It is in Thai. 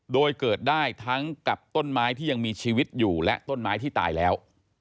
โดยเกิดได้ทั้งกับต้นไม้ที่ยังมีชีวิตอยู่และต้นไม้ที่ตายแล้ว